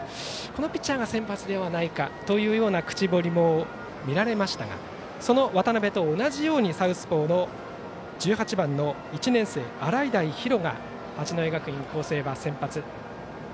このピッチャーが先発ではないかというような口ぶりも見られましたがその渡部と同じようにサウスポーの１年生、洗平比呂が八戸学院光星は先発。